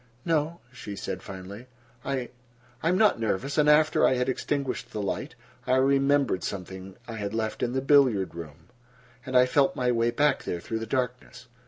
"No," she said finally. "I—I am not nervous, and after I had extinguished the light, I remembered something I had left in the billiard room, and I felt my way back there through the darkness."